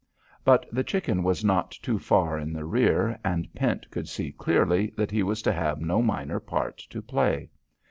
But the Chicken was not too far in the rear and Pent could see clearly that he was to have no minor part to play.